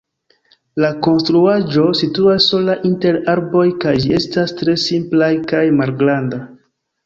La konstruaĵo situas sola inter arboj kaj ĝi estas tre simpla kaj malgranda.